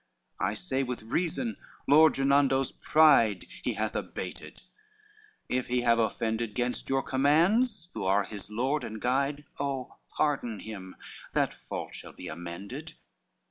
LIX "I say with reason Lord Gernando's pride He hath abated, if he have offended Gainst your commands, who are his lord and guide, Oh pardon him, that fault shall be amended."